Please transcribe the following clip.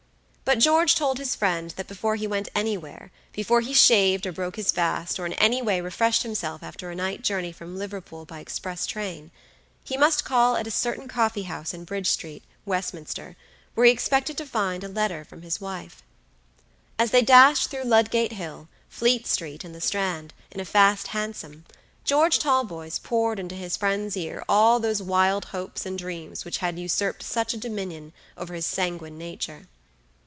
But George told his friend that before he went anywhere, before he shaved or broke his fast, or in any way refreshed himself after a night journey from Liverpool by express train, he must call at a certain coffee house in Bridge street, Westminster, where he expected to find a letter from his wife. As they dashed through Ludgate Hill, Fleet street, and the Strand, in a fast hansom, George Talboys poured into his friend's ear all those wild hopes and dreams which had usurped such a dominion over his sanguine nature.